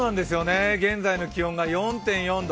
現在の気温が４．４度。